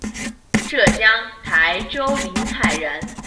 浙江台州临海人。